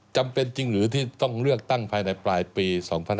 จำเป็นจริงหรือที่ต้องเลือกตั้งภายในปลายปี๒๕๖๒